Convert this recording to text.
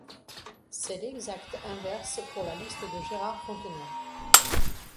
C'est l'exact inverse pour la liste de Gérard Fontenay.